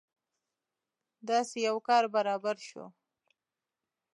داسې یو کار برابر شو.